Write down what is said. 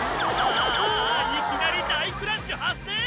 あぁいきなり大クラッシュ発生！